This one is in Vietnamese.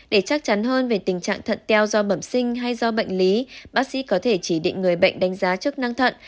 để chắc chắn hơn về tình trạng thận teo do bẩm sinh hay do bệnh lý bác sĩ có thể chỉ định người bệnh đánh giá chức năng thận